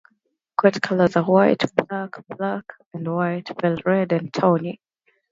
Coat colours are white, black, black and white, pale red, and tawny.